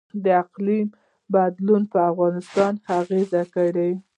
د اقلیم بدلون په افغانستان اغیز کړی؟